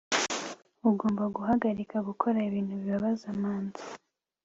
ugomba guhagarika gukora ibintu bibabaza manzi